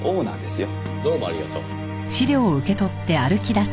どうもありがとう。